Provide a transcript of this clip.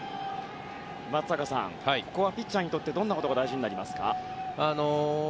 松坂さん、ここはピッチャーにとってどんなことが大事になりますか？